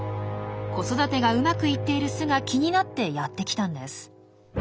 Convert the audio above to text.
子育てがうまくいっている巣が気になってやって来たんです。